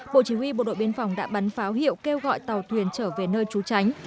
bộ chỉ huy bộ đội biên phòng đã bắn pháo hiệu kêu gọi tàu thuyền trở về nơi trú tránh